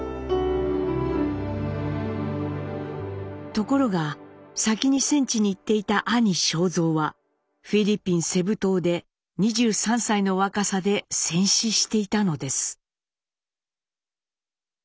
ところが先に戦地に行っていた兄昌三はフィリピンセブ島で２３歳の若さで戦死していたのです。